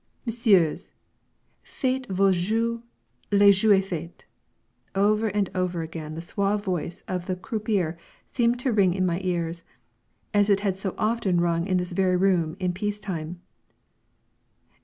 "Messieurs, faites vos jeux, le jeu est fait!" Over and over again the suave voice of the croupier seemed to ring in my ears as it had so often rung in this very room in peace time.